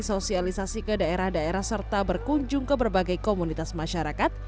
sosialisasi ke daerah daerah serta berkunjung ke berbagai komunitas masyarakat